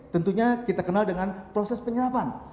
tentunya kita kenal dengan proses penyerapan